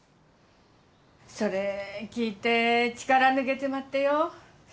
それ聞いて力抜けちまってよ。